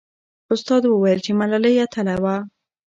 استاد وویل چې ملالۍ اتله وه.